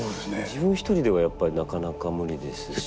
自分一人ではやっぱりなかなか無理ですし。